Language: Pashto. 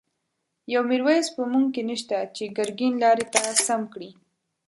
یو«میرویس» په مونږ کی نشته، چه گرگین لاری ته سم کړی